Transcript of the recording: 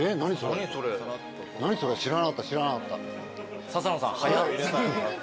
何それ知らなかった知らなかった。